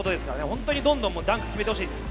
本当にどんどんダンクを決めてほしいです。